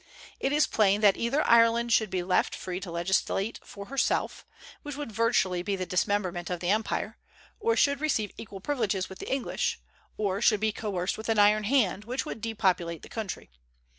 It is plain that either Ireland should be left free to legislate for herself, which would virtually be the dismemberment of the empire; or should receive equal privileges with the English; or should be coerced with an iron hand, which would depopulate the country.